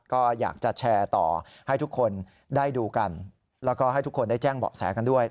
ก็อยากจะแชร์ต่อให้ทุกคนได้ดูกันแล้วก็ให้ทุกคนได้แจ้งเบาะแสกันด้วย